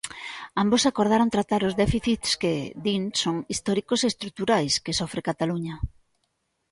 Ambos acordaron tratar os déficits que, din, son históricos e estruturais, que sofre Cataluña.